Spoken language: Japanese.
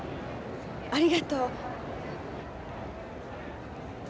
ありがとう。